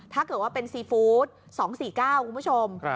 ถ้าเกิดว่าเป็นซีฟูตสองสี่เก้าคุณผู้ชม